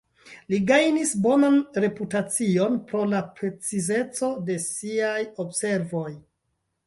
Li gajnis bonan reputacion pro la precizeco de siaj observoj.